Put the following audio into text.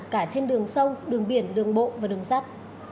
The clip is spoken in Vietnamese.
cả trên đường sông đường biển đường bộ và đường sắt